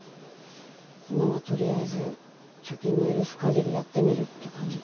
今はとりあえず貯金の許すかぎりやってみるって感じかな。